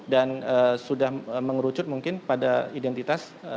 dan sudah mengerucut mungkin pada identitas